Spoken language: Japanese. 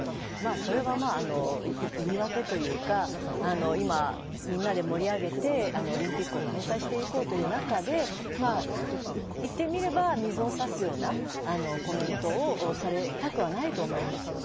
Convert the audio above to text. それは言い訳というか、みんなで盛り上げてオリンピックを開催していこうという中で言ってみれば水を差すようなコメントをされたくはないと思うんですよね。